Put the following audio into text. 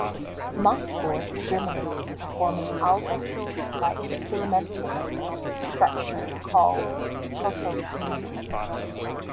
Moss spores germinate to form an alga-like filamentous structure called the protonema.